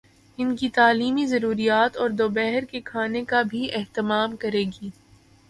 ان کی تعلیمی ضروریات اور دوپہر کے کھانے کا بھی اہتمام کریں گی۔